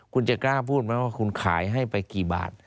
คุณจะกล้าพูดไหมว่าคุณขายให้ไปกี่บาท